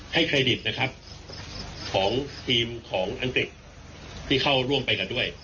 เครดิตนะครับของทีมของอังกฤษที่เข้าร่วมไปกันด้วย